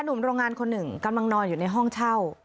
หนุ่มโรงงานคนหนึ่งกำลังนอนอยู่ในห้องเช่า